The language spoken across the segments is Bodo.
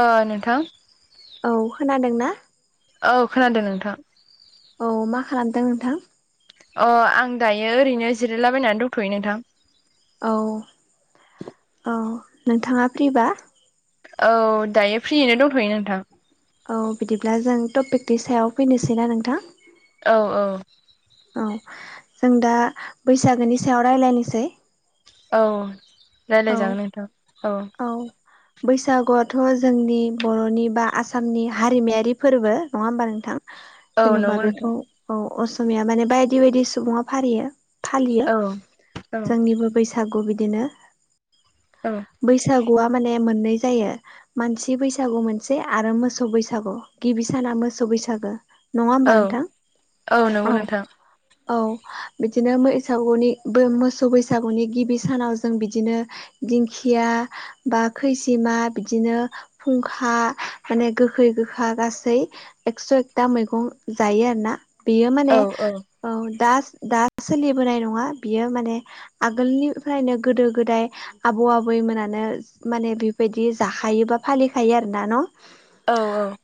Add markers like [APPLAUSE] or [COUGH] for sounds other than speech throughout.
ओ नोंथां औ खोनादोंना औ खोनादों नोंथां औ मा खालामदों नोंथां? अ आं दायो ओरैनो जिरायलाबायनानै दंथ'यो नोंथां औ औ नोंथाङा फ्रिबा औ दायो फ्रियैनो दंथ'यो नोंथां औ बिदिब्ला जों टपिकनि सायाव फैनोसैना नोंथां औ औ औ जों दा बैसागोनि सायाव रायलायनोसै औ औ रायलायजागोन नोंथां औ औ बैसागुआथ' जोंनि बर'नि बा आसामनि हारिमायारि फोरबो नङा होमबा नोंथां औ जेन'बा नंगौ नोंथां बेखौ औ असमिया माने बायदि बायदि सुबङा फारियो फालियो औ औ जोंनिबो बैसागु बिदिनो औ बैसागुआ माने मोननै जायो मानसि बैसागु मोनसे आरो मोसौ बैसागु गिबि साना मोसौ बैसागो नङा होमबा औ नोंथां नंगौ औ नोंथां औ बिदिनो बैसागुनि मोसौ बैसागुनि गिबि सानाव जों बिदिनो दिंखिया बा खैजिमा बिदिनो फुंखा माने गोखै गोखा गासै एकस' एकथा मैगं जायो आरो ना बेयो माने औ दा दा सोलिबोनाय नङा बियो माने आगोलनिफ्रायनो गोदो गोदाय आबौ आबै आबैमोनानो माने बेबायदि जाखायो बा फालिखायो आरोना न' औ औ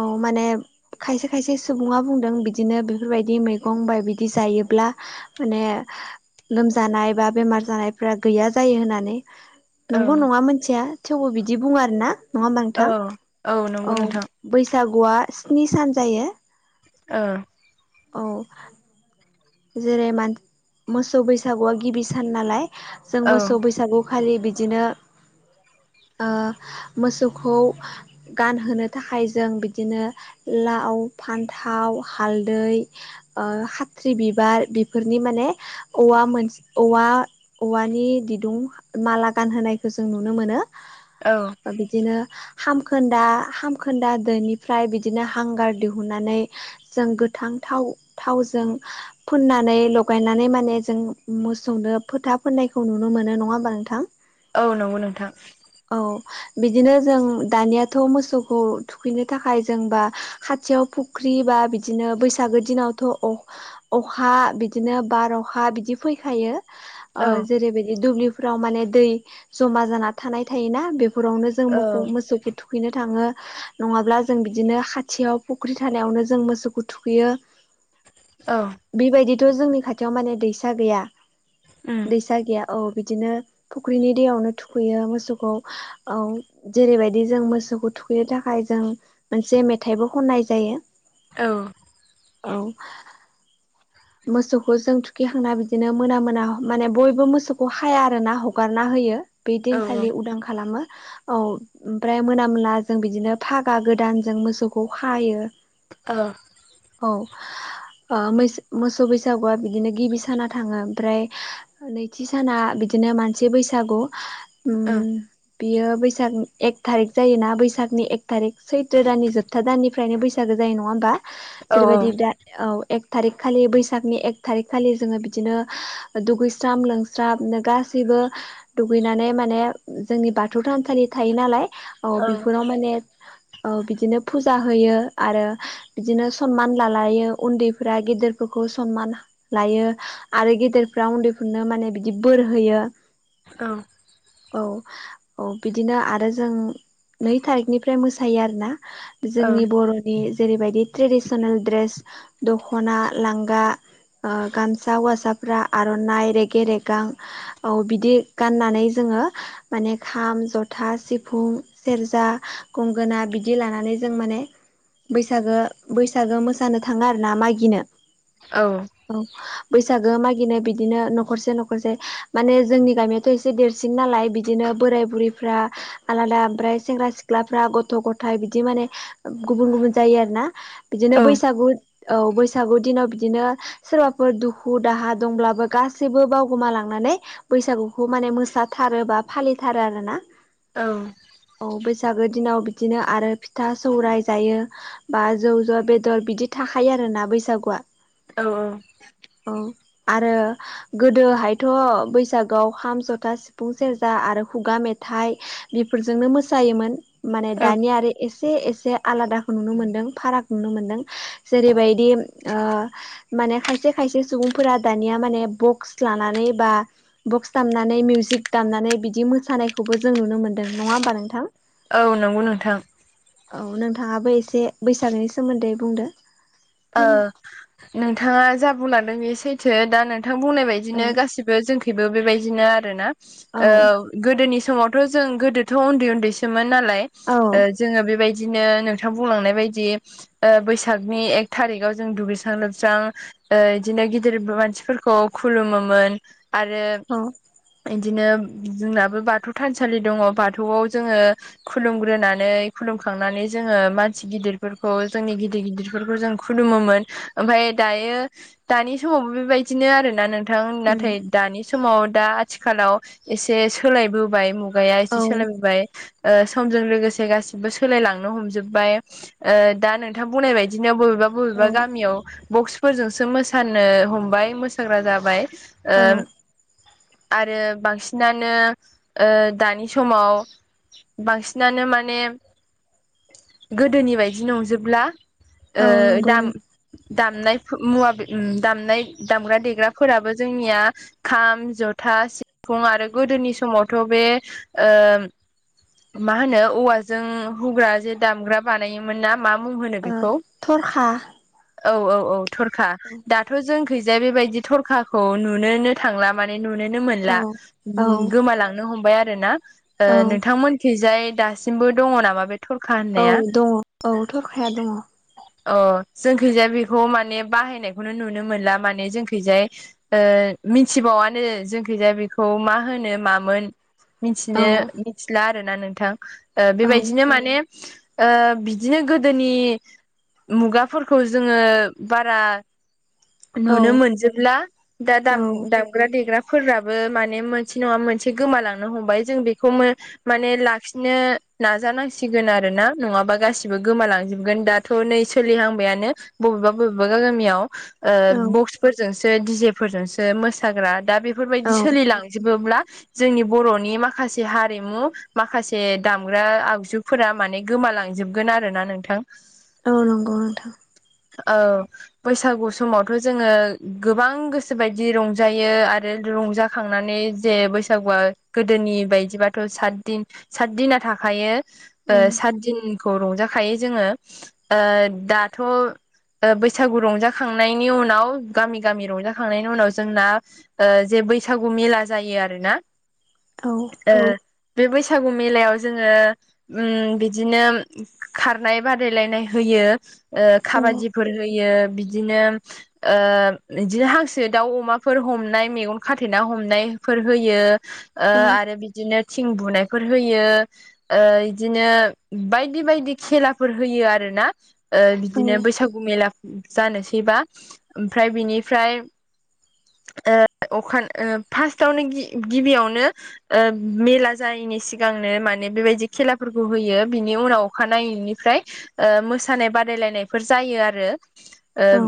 औ माने खायसे खायसे सुबुङा बुंदों बिदिनो बेफोरबायदि मैगं बा बिदि जायोब्ला माने लोमजानाय बा बेमार जानायफोरा गैया जायो होननानै औ नंगौ नङा मोनथिया थेवबो बिदि बुङो आरोना नङा होनबा औ नोंथां नंगौ औ नोंथां बैसागुआ स्नि सान जायो ओ औ जेरै मोसौ बैसागुआ गिबि सान नालाय जों औ मोसौ बैसागु खालि बिदिनो मोसौखौ गानहोनो थाखाय जों बिदिनो लाव फान्थाव हालदै खाथ्रि बिबार बिफोरनि माने औवा मोनसे औवा औवानि दिदुं माला गानहोनायखौ जों नुनो मोनो औ बिदिनो खामखोन्दा खामखोन्दा दोनिफ्राय बिदिनो हांगार दिहुननानै जों गोथां थाव थावजों फोननानै लगायनानै माने जों मोसौनो फोथा फोननायखौ नुनो मोनो नङा होमबा नोंथां औ नंगौ नोंथां औ बिदिनो जों दानियाथ मोसौखौ थुखैनो थाखाय जोंबा खाथियाव फुख्रि बा बिदिनो बैसागु बैसागु दिनावथ अखा बिदिनो बार अखा बिदि फैखायो औ जेरैबायदि दुब्लिफोराव माने दै जमा जाना थानाय थायोना बेफोरावनो जों औ मोखौ मोसौखौ थुखै थुखैनो थाङो नङाब्ला जों बिदिनो खाथियाव फुख्रि थानायावनो जों मोसौखौ थुखै थुखैयो औ बेबायदिथ जोंनि खाथियाव माने दैसा गैया उम दैसा गैया औ बिदिनो फुख्रिनि दैयावनो थुखैयो मोसौखौ औ जेरैबायदि जों मोसौखौ थुखैनो थाखाय जों मोनसे मेथाइबो खननाय जायो औ औ मोसौखौ जों थुखिखांना बिदिनो मोना मोना माने बयबो मोसौखौ खाया आरोना हगारना होयो बे औ दिनखालि उदां खालामो औ ओमफ्राय मोना मोना जों बिदिनो फागा गोदान जों मोसौखौ खायो औ औ ओ मोसौ मोसौ बैसागुआ बिदिनो गिबि साना थाङो ओमफ्राय नैथि साना बिदिनो मानसि बैसागु औ उम बियो बैसाग एक थारिक जायो ना बैसागनि एक थारिक सैथ्र दाननि जोबथा दाननिफ्रायनो बैसाग बैसागो जायो नङा होमबा जेरैबायदि दा औ एक थारिख खालि बैसागनि एक थारिख खालि जोङो बिदिनो दुगैस्रां लोबस्रां गासैबो दुगैनानै माने जोंनि बाथौ थानसालि थायो नालाय औ बेफोराव माने औ बिदिनो फुजा होयो आरो बिदिनो सनमान लालायो उन्दैफ्रा गेदेर फोरखौ सनमान लायो आरो गेदेरफ्रा उन्दैफोरनो माने बिदि बोर होयो औ औ औ बिदिनो आरो जों नै थारिखनिफ्राय मोसायो आरोना जोंनि बर'नि जेरैबायदि ट्रेडिसनेल दड्रेस दखना लांगा गामसा हौवासाफ्रा आरनाइ रेगे रेगां औ बिदि गाननानै जोंङो माने खाम जथा सिफुं सेरजा गंगोना बिदि लानानै जों माने बैसागो बैसागो मोसानो थांङा आरोना मागिनो औ औ बैसागो मागिनाय बिदिनो न'खरसे न'खरसे माने जोंनि गामियाथ एसे देरसिन नालाय बिदिनो बोराय बुरैफ्रा आलादा ओमफ्राय सेंग्रा सिख्लाफ्रा गथ' गथायाइ बिदि माने गुबुन गुबुन जायो आरो ना बिदिनो औ बैसागु औ बैसागु दिनाव बिदिनो सोरबाफोर दुखु दाहा दंब्लाबो गासैबो बावगोमा लांनानै बैसागुखौ माने मोसााथारो बा फालिथारो आरोना औ औ बैसागो दिनाव बिदिनो आरो फिथा सौराइ जायो। बा जौ ज बेदर बिदि थाखायो आरोना बैसागुआ औ औ औ आरो गोदोहायथ' बैसागोआव खाम जथा सिफुं सेरजा आरो खुगा मेथाइ बेफोरजोंनो मोसायोमोन माने दानिया आरो एसे एसे आलादाखौ नुनो मोन्दों फाराग नुनो मोन्दों। जेरै बायदि माने खायसे खायसे सुबुंफोरा दानिया माने बक्स लानानै बा बक्स दामनानै मिउजिक दामनानै बिदि मोसानायखौबो जों नुनो मोन्दों नंङा होमबा नोंथां औ नंगौ नोंथां औ नोंथाङाबो एसे बैसागोनि सोमोन्दै बुंदो फोरमाय नोंथांङा जाबुलांदों बे सैथो दा नोंथां बुंनाय औ बायदिनो गासिबो जोंखैबो बेबायदिनो आरोोना औ औ गोदोनि समावथ' जों गोदोथ' उन्दै उन्दै मोन नालाय जो बेबायदि बिदिनो नोंथां बुंलांनाय बायदि बैसागनि एक थारिकाव जों दुगैस्रां लोबस्रां बिदिनो गिदिर मानसिफोरखौ खुलुमोमोन आरो इदिनो जोंनाबो बाथौ थानसालि दंङो बाथौआव जोंङो खुलुमग्रोनानै खुलुमखांनानै जोंङो मानसि गिदिरफोरखौ जोंनि गिदिर गिदिरफोरखौ जों खुलुमोमोन ओमफ्राय दायो दानि समावबो बेबायदिनो आरोना नोंथां नाथाय दानि समाव दा आथिखालाव एसे सोलायबोबाय मुगाया औ एसे सोलायबोबाय समजों लोगोसे गासिबो सोलायलांनो हमजोब्बाय दा नोंथां बुंनाय बायदिनो बबेबा औ बबेबा औ गामियाव बक्सफोरजोंसो मोसानो हमबाय मोसाग्रा जाबाय औ [UNINTELLIGIBLE] आरो बांसिनानो दानि समाव बांसिनानो माने गोदोनि बायदि नंजोबला ओ औ नंगौ दाम दामनाय मुवा दामनाय दामग्रा देग्राफोराबो जोंनिया खाम जथा सिफुं आरो गोदोनि समावथ' बे मा होनो औवाजों हुग्रा जे दामग्रा बानायोमोन ना मा मुं होनो ओ बेखौ थरखा औ औ औ थरखा दाथ' जोंखैजाया बेबायदि थरखाखौ नुनोनो थांला माने नुनोनो औ मोनला औ गोमालांनो हमबाय आरो ना ओ औ नोंथांमोनखैजाय दासिमबो दङ नामा बे थरखा औ होननाया दङ औ थरखाया दङ। अ जोंखैजाय बेखौ माने बाहायनायखौनो नुनो मोनला माने जोंखैजाय। मिथिबावानो जोंखैजाया बेखौ मा होनो मामोन? औ मिथिनो मिथिला आरो ना नोंथां औ बेबायदिनो माने ओ बिदिनो गोदोनि मुगाफोरखौ जोङो बारा औ नुनो मोनजोबला दाम दाम दग्रा देग्राफोराबो माने मोनसे नङा मोनसे गोमालांनो हमबाय जों बेखौ माने लाखिनो नाजानांसिगोन आरो ना नङाबा गासिबो गोमालांजोबगोन दाथ थ' नै सोलिहांबायानो बबेबा बबेबा गामियाव औ बख्स फोरजोंसो दिजे फोरजोंसो मोसाग्रा दा बेफोरबायदि औ सोलिलांजोबोब्ला जोंनि बर'नि माखासे हारिमु माखासे दामग्रा आगजुफोरा माने गोमालांजोबगोन आरो ना नोंथां। औ नंगौ नोंथां। औ बैसागु समावथ' जोङो गोबां गोसो बायदि रंजायो आरो रंजा खांनानै जे बैसागुआ गोदोनि बायदिबाथ' सदिन सातदिना थाखायो। ओ उम सातदिनखौ रंजाखायो जोङो ओ दाथ' बैसागु रंजाखांनायनि उनाव गामि गामि रंजाखांनायनि उनाव जोंना ओ जे बैसागु मेला जायो आरो ना। औ बे बैसागु मेलायाव जोङो उम बिदिनो खारनाय बादायलायनाय होयो ओ औ खाबादिफोर होयो बिदिनो बिदिनो हांसो दाउ अमाफोर हमनाय मेगन खाथेना हमनायफोर होयो। औ आरो बिदिनो थिं बुनायफोर होयो। ओ इदिनो बायदि बायदि खेलाफोर होयो आरो। आरो ना बिदिनो औ बैसागु मेला जानोसैबा ओमफ्राय बिनिफ्राय अख फार्स्टावनो गिबियावनो मेला जायैनि सिगांनो माने बेबायदि खेलाफोरखौ होयो बिनि उनाव अखानायैनि ओमफ्राय ओ मोसानाय बादायलायनायफोर जायो आरो औ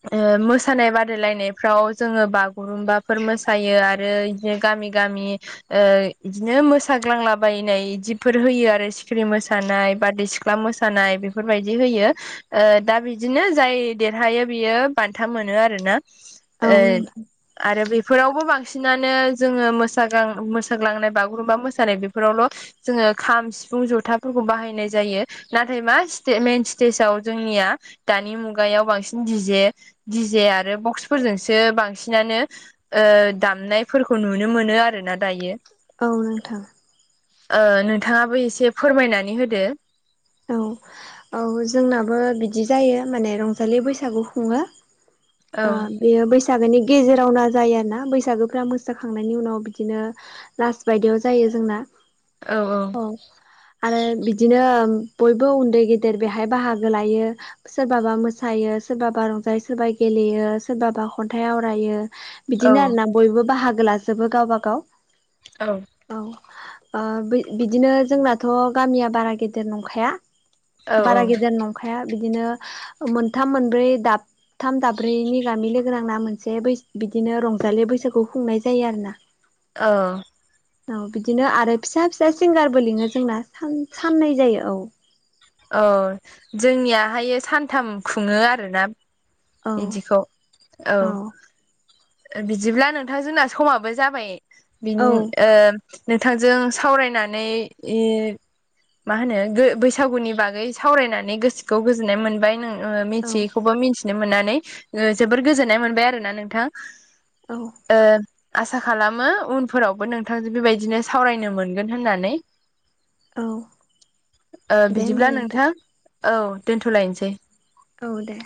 ओ ओ मोसानाय बादायलायनायफ्राव जोङो बागुरुम्बाफोर मोसायो आरो बे गामि गामि बिदिनो मोसाग्लांलाबायनाय बिदिफोर होयो आरो सिखिरि मोसानाय बदै सिख गस्ला मोसानाय बेफोरबायदि होयो। दा बिदिनो जाय देरहायो बियो बान्था मोनो आर ना। औ ओ नोंथां आरो बेफोरावबो बांसिनानो जोङो मोस मोसाग्लांनाय बागुरुम्बा मोसानाय बेफोरावल' जोङो खाम सिफुं जथाफोरखौ बाहायनाय जायो। नाथाय मा मेइन स्टेजाव जोंनिया दानि मुगायाव बांसिन दि जे दि जे आरो बक्सफोरजोंसो बांसिनानो ओ दामनायफोरखौ नुनो मोनो आर ना दायो। औ नोंथां ओ नोंथाङाबो एसे फोरमायनानै होदो। औ औ जोंनाबो बिदि जायो माने रंजालि बैसागु खुङो। ओ औ बेयो बैसागोनि गेजेरावना जायो आरोना बैसागोफ मोसाखांनायनि उनाव बिदिनो लास बायदियाव जायो जोंना। औ औ आरो बिदिनो बयबो उन्दै गेदेर बेहाय बाहागो लायो। सोरबाबा मोसायो सोरबाबा रंजायो सोरबा गेलेयो सोरबाबा खन्थाइ आवरायो। औ बिदिनो आरो ना बयबो बाहागो लाजोबो गावबा गाव। औ। औ बिदिनो जोंनाथ' गामिया बारा गेदेर नंखाया। बारा औ औ गेदेर नंखाया बिदिनो मोनथाम मोनब्रै दाब थाम दाब्रैनि गामि लोगोोनांना मोनसे बै बिदिनो रंजालि बैसागुखौ खुंनाय जायो आरोना। [INAUDIBLE] औ औ बिदिनो आरो फिसा फिसा सिंगारबो लिङो जोंना साननै जायो औ। [INAUDIBLE] औ जोंनियाहाय सानथाम खुङो आरोना। औ बिदिखौ औ। बिदिब्ला नोंथां जोंना समाबो जाबाय। बि औ नोंथांजों सावरायनानै मा होनो बैसागुनि बागै सावरायनानै गोसोखौ गोजोननाय मोनबाय। नों औ मिथियैखौबो मिथिनो मोननानै जोबोर गोजोननाय मोनबाय आरो ना नोंथां। औ ओ आसा खालामो उनफोरावबो नोंथांजों बेबायदिनो सावरायनो मोनगोन होननानै। औ दे होमबा बिदिब्ला नोंथां औ दोन्थ'लायनोसै। औ दे।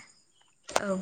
औ।